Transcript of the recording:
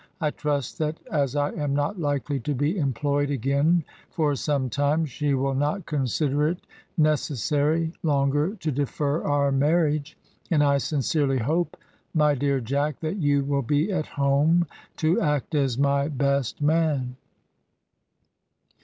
I trust that as I am not likely to be employed again for some time, she will not consider it necessary longer to defer our marriage, and I sincerely hope, my dear Jack, that you will be at home to act as my best man."